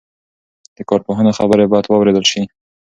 د کارپوهانو خبرې باید واورېدل شي.